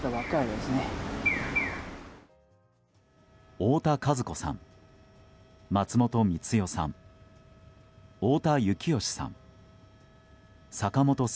太田和子さん、松本光代さん太田幸義さん、坂本紗